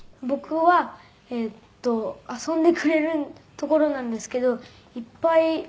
「僕はえっと遊んでくれるところなんですけどいっぱい